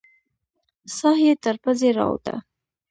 ساه یې تر پزې راووته.